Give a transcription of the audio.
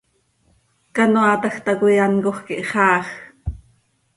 Canoaataj tacoi ancoj quih xaaaj.